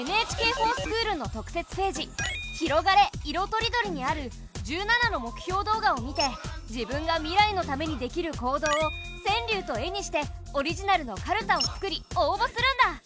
「ＮＨＫｆｏｒＳｃｈｏｏｌ」の特設ページ「ひろがれ！いろとりどり」にある１７の目標動画を見て自分が未来のためにできる行動を川柳と絵にしてオリジナルのかるたを作り応ぼするんだ！